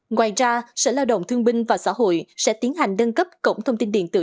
ngoài ra sở lao động thương binh và xã hội sẽ tiến hành đơn cấp cổng thông tin điện tử